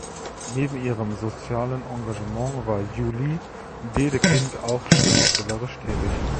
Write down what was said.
Neben ihrem sozialen Engagement war Julie Dedekind auch schriftstellerisch tätig.